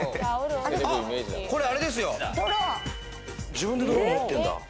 自分でドローン持ってんだ。